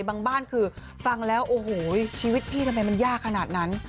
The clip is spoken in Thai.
บ้านคือฟังแล้วโอ้โหชีวิตพี่ทำไมมันยากขนาดนั้น